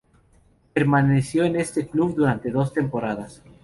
Permaneció en este club durante dos temporadas.